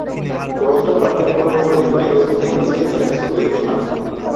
Por otra parte fue autor de numerosos libros y ensayos sobre el tema.